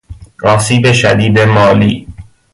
آسیب شدید مالی